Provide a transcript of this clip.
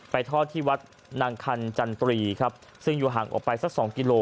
ทอดที่วัดนางคันจันตรีครับซึ่งอยู่ห่างออกไปสักสองกิโล